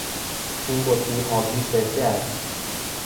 این بطری حاوی سرکه است.